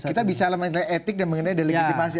kita bisa elemen etik dan mengenai delegitimasi